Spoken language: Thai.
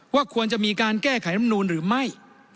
ว่าควรจะมีการแก้ไขรำนูนหรือไม่